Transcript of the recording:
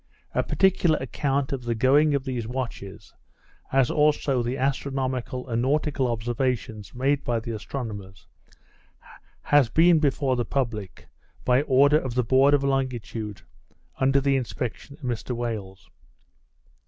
A particular account of the going of these watches, as also the astronomical and nautical observations made by the astronomers, has been before the public, by order of the Board of Longitude, under the inspection of Mr Wales.